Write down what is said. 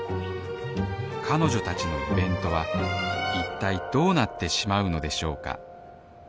彼女たちのイベントは一体どうなってしまうのでしょうか？